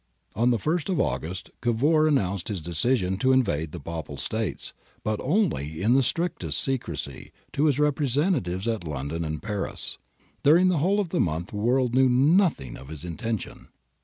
'^ On the first of August, Cavour announced his decision to invade the Papal States, but only in the strictest secrecy, to his representatives at London and Paris.^ During the whole month the world knew nothing of his intention.